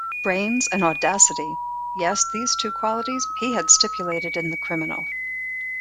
Brains and audacity — yes, these two qualities he had stipulated in the criminal.